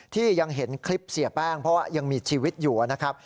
ที่ยังเห็นคลิปเสียแป้งเพราะว่ายังมีชีวิตอยู่นะครับ